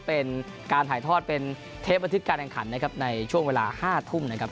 เป็นการถ่ายทอดเป็นเทปบันทึกการแข่งขันนะครับในช่วงเวลา๕ทุ่มนะครับ